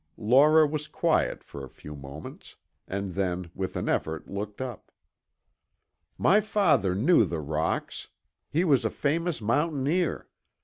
Laura was quiet for a few moments, and then with an effort looked up. "My father knew the rocks; he was a famous mountaineer.